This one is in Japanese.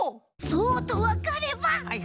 そうとわかれば。